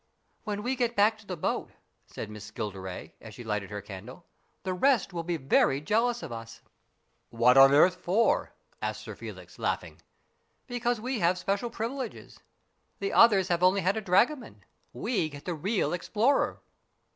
"When we get back to the boat," said Miss Gilderay, as she lighted her candle, " the rest will be very jealous of us." 76 STORIES IN GREY " What on earth for ?" asked Sir Felix, laughing. "Because we have special privileges. The others have only had a dragoman ; we get the real explorer."